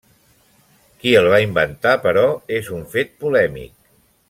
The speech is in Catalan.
Qui el va inventar, però, és un fet polèmic.